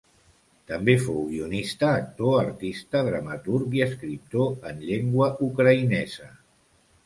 També fou guionista, actor, artista, dramaturg i escriptor en llengua ucraïnesa.